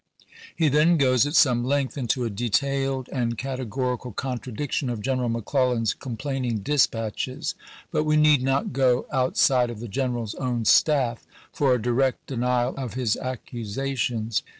He then goes at some length into a detailed and Vol. XIX., categorical contradiction of General McClellan's pp. 8, 9! complaining dispatches. But we need not go out side of the General's own staff for a direct denial of his accusations.